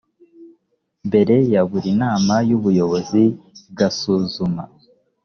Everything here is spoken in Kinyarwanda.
mbere ya buri nama y ubuyobozi igasuzuma